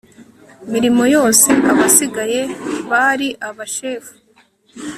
mirimo yose abasigaye bari abashefu